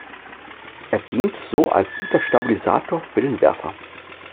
Er dient so als guter Stabilisator für den Werfer.